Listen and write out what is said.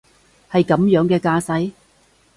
係噉樣嘅架勢？